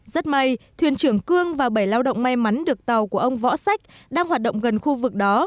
rất may thuyền trưởng cương và bảy lao động may mắn được tàu của ông võ sách đang hoạt động gần khu vực đó